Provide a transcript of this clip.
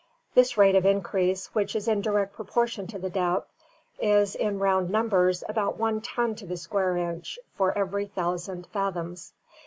This rate of increase, which is in direct proportion to the depth, is, in round numbers, about one ton to the square inch for every thousand fathoms.